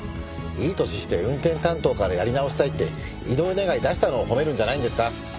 いい年して運転担当からやり直したいって異動願出したのを褒めるんじゃないんですか？